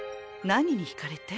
何に惹かれて？